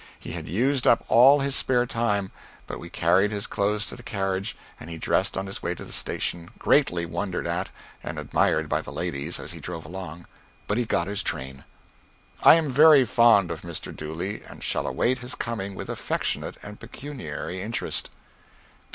He had used up all his spare time, but we carried his clothes to the carriage, and he dressed on his way to the station, greatly wondered at and admired by the ladies, as he drove along but he got his train. I am very fond of Mr. Dooley, and shall await his coming with affectionate and pecuniary interest.